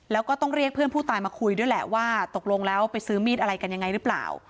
แล้วก็ต้องเรียกเพื่อนผู้ตายมาคุยด้วยแหละว่าตกลงแล้วไปซื้อมีดอะไรกันยังไงหรือเปล่า